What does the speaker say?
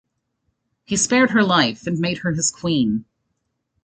He spared her life, and made her his queen.